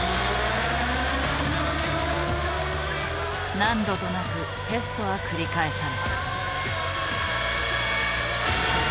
何度となくテストは繰り返された。